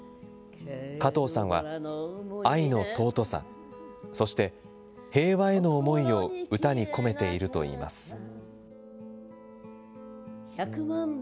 加藤さんは、愛の尊さ、そして平和への思いを歌に込めているといいます。